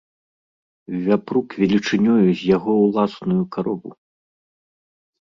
Вяпрук велічынёю з яго ўласную карову.